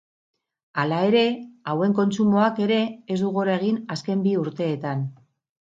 Hala ere, hauen kontsumoak ere ez du gora egin azken bi urteetan.